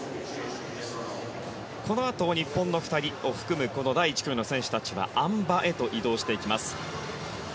このあと日本の２人を含む第１組の選手たちはあん馬へと移動していきます。